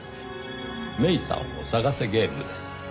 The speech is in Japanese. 芽依さんを捜せゲームです。